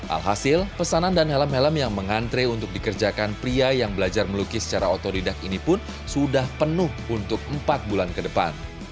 alhasil pesanan dan helm helm yang mengantre untuk dikerjakan pria yang belajar melukis secara otodidak ini pun sudah penuh untuk empat bulan ke depan